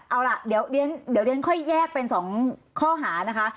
เอาล่ะเดี๋ยวเรียนค่อยแยกเป็น๒ข้อหานะคะ